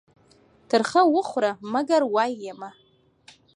تر خه وخوره ، منگر وايه يې مه.